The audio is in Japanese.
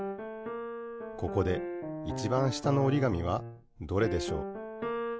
ここでいちばん下のおりがみはどれでしょう？